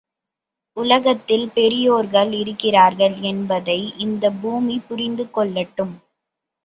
உலகத்தில் பெரியோர்கள் இருக்கிறார்கள் என்பதை இந்தப் பூமி புரிந்து கொள்ளட்டும்.